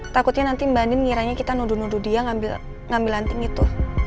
takutnya nanti mbak andin ngiranya kita nuduh nuduh dia ngambil anting itu